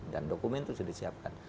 dan dokumen itu sudah disiapkan